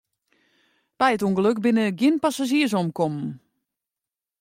By it ûngelok binne gjin passazjiers omkommen.